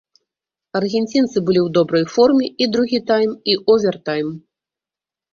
Аргенцінцы былі ў добрай форме і другі тайм, і овертайм.